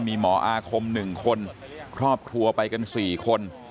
มีหมออาคมหนึ่งคนครอบครัวไปกันสี่คน